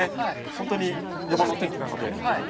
本当に山の天気なので、はい。